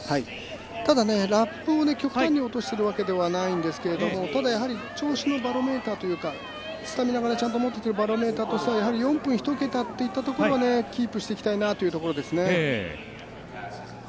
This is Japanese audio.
ただねラップを極端に落としているわけではないんですけどもただ、調子のバロメーターというかスタミナのバロメーターというところが４分一桁といったところはキープしていきたいなというところですね。